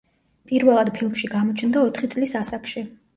პირველად ფილმში გამოჩნდა ოთხი წლის ასაკში.